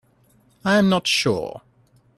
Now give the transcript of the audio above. I am not sure.